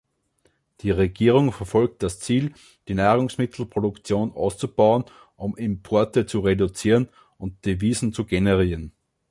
Die Regierung verfolgt das Ziel, die Nahrungsmittelproduktion auszubauen, um Importe zu reduzieren und Devisen zu generieren.